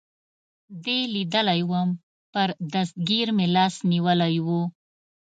دې لیدلی ووم، پر دستګیر مې لاس نیولی و.